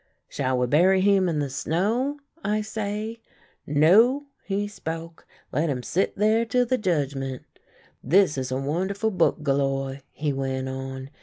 "' Shall we bury him in the snow? ' I say. ' No,' he spoke, ' let him sit there till the Judgmen'. This is a wonderful book, Galloir,' he went on.